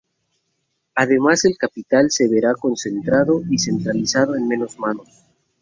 Además el capital se verá concentrado y centralizado en menos manos.